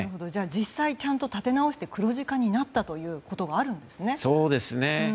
実際、ちゃんと立て直して黒字化になったということがあるんですね。